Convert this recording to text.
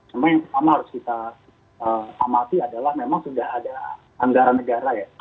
cuma yang pertama harus kita amati adalah memang sudah ada anggaran negara ya